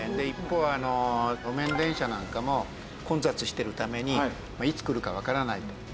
一方路面電車なんかも混雑してるためにいつ来るかわからないと。